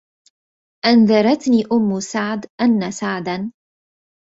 أنذرتني أم سعد أن سعدا